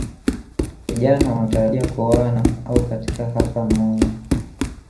Vijana wanaotarajia kuoana au katika hafla maalum